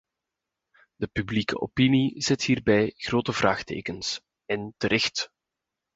De publieke opinie zet hierbij grote vraagtekens, en terecht.